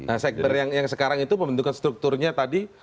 nah sekber yang sekarang itu pembentukan strukturnya tadi